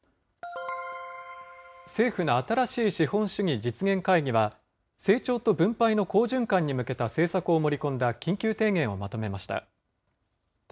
政府の新しい資本主義実現会議は、成長と分配の好循環に向けた政策を盛り込んだ緊急提言をまとめました。